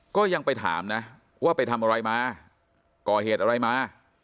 ก็ยังไปถามนะว่าไปทำอะไรมาก่อเหตุอะไรมา